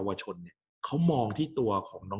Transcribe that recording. กับการสตรีมเมอร์หรือการทำอะไรอย่างเงี้ย